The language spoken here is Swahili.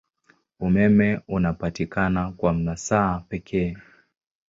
Umeme unapatikana kwa masaa pekee.